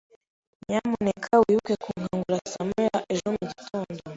Nyamuneka wibuke kunkangura saa moya ejo mugitondo.